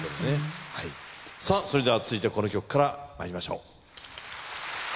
はいさぁそれでは続いてこの曲からまいりましょう。